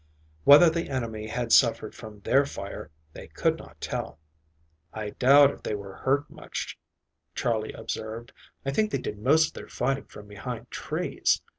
Whether the enemy had suffered from their fire they could not tell. "I doubt if they were hurt much," Charley observed. "I think they did most of their fighting from behind trees.